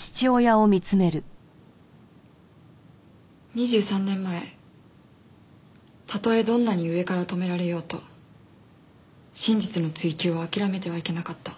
２３年前たとえどんなに上から止められようと真実の追及は諦めてはいけなかった。